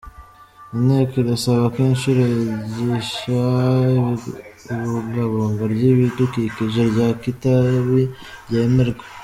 Inteko irasaba ko ishuri ryigisha ibungabunga ry’ibidukikije rya Kitabi ryemerwa